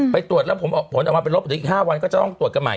ไปตรวจแล้วผมเอามาไปรบตรวจอีก๕วันก็จะต้องตรวจกันใหม่